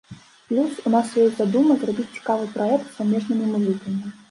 Плюс, у нас ёсць задума зрабіць цікавы праект з замежнымі музыкамі.